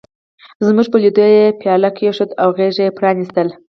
زموږ په لیدو یې پياله کېښوده او غېږه یې پرانستله.